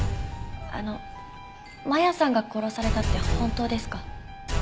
あの真弥さんが殺されたって本当ですか？